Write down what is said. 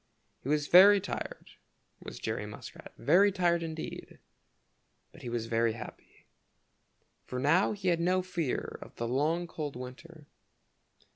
He was very tired, was Jerry Muskrat, very tired indeed, but he was very happy, for now he had no fear of the long cold winter.